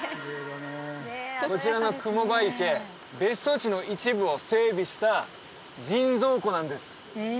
こちらの雲場池別荘地の一部を整備した人造湖なんです